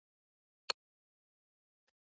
احمد ډېر خوری انسان دی، له حده ډېر خوراک کوي.